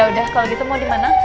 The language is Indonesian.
udah kalau gitu mau dimana